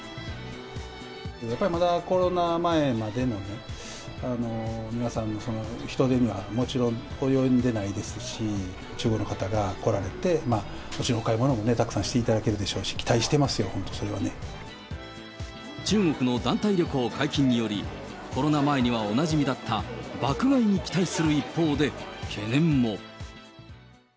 やっぱりまだコロナ前までの、皆さんの人出にはもちろん及んでないですし、中国の方が来られて、もちろんお買い物もね、たくさんしていただけるでしょうし、期待してますよ、中国の団体旅行解禁により、コロナ前にはおなじみだった爆買いに期待する一方で、懸念も。